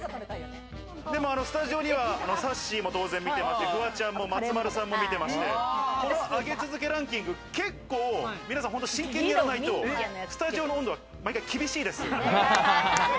スタジオには、さっしーも当然見てますし、フワちゃんも松丸さんも見てまして、この上げ続けランキング、結構皆さん本当真剣にやらないとスタジオの温度は毎回厳しいです。